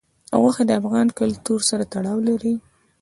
غوښې د افغان کلتور سره تړاو لري.